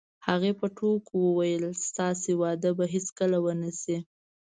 هغې په ټوکو وویل: ستاسې واده به هیڅکله ونه شي.